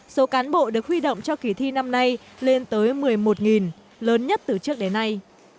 số cán bộ được huy động cho kỳ thi năm nay lên tới một mươi một lớn nhất từ trước đến nay